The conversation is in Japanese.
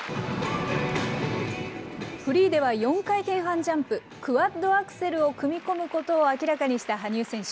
フリーでは４回転半ジャンプ、クワッドアクセルを組み込むことを明らかにした羽生選手。